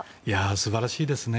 素晴らしいですね。